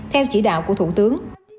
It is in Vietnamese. theo chỉ đạo của thủ tướng